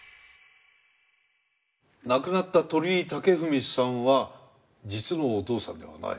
亡くなった鳥居武文さんは実のお父さんではない？